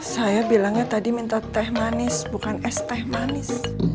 saya bilangnya tadi minta teh manis bukan es teh manis